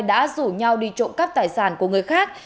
thủ nhau đi trộm cắp tài sản của người khác